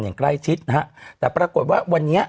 อย่างใกล้ชิดนะฮะแต่ปรากฏว่าวันนี้